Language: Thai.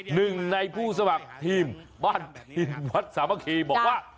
หนึ่งในผู้สมัครทีมบ้านถิ่นวัดสามัคคีบอกว่า